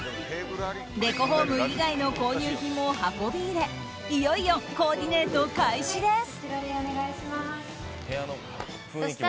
デコホーム以外の購入品も運び入れいよいよコーディネート開始です。